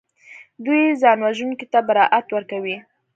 دوی ځانوژونکي ته برائت ورکوي